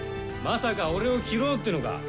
まさか俺を斬ろうっていうのか？